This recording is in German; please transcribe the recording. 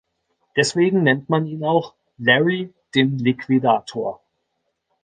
Deswegen nennt man ihn auch "Larry, den Liquidator".